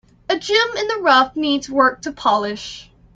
A gem in the rough needs work to polish.